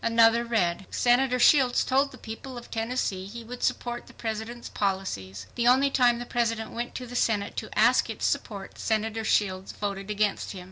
Another read: SENATOR SHIELDS TOLD THE PEOPLE OF TENNESSEE HE WOULD SUPPORT THE PRESIDENT'S POLICIES. THE ONLY TIME THE PRESIDENT WENT TO THE SENATE TO ASK ITS SUPPORT SENATOR SHIELDS VOTED AGAINST HIM.